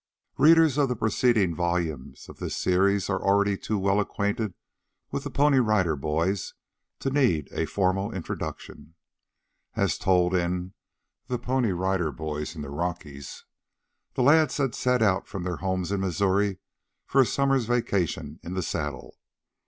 Readers of the preceding volumes of this series are already too well acquainted with the Pony Rider Boys to need a formal introduction. As told in "THE PONY RIDER BOYS IN THE ROCKIES," the lads had set out from their homes in Missouri for a summer's vacation in the saddle.